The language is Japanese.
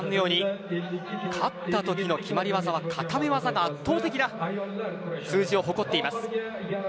勝った時の決まり技は固め技が圧倒的な数字を誇ります。